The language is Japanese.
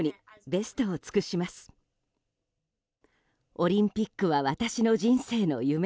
オリンピックは私の人生の夢。